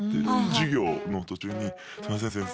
授業の途中に「すいません先生